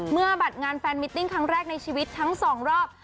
บัตรงานแฟนมิตติ้งครั้งแรกในชีวิตทั้งสองรอบ